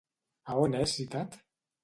A on és citat?